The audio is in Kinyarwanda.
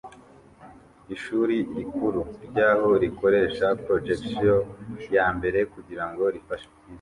Ishuri rikuru ryaho rikoresha projection yambere kugirango rifashe